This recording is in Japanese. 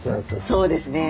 そうですね。